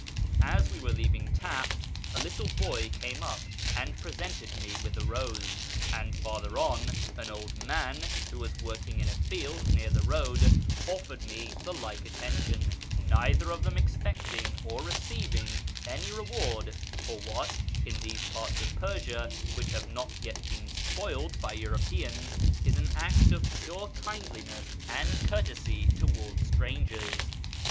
As we were leaving Taft, a little boy came up and presented me with a rose, and farther on an old man who was working in a field near the road offered me the like attention, neither of them expecting or receiving any reward for what, in these jparts of Persia, which have not yet been spoiled by Europeans, is an act of pure kindliness and courtesy towards strangers.